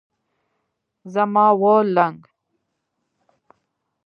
څماولنګ